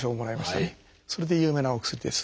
それで有名なお薬です。